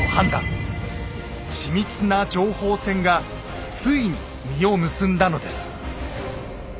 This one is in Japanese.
緻密な情報戦がついに実を結んだのです。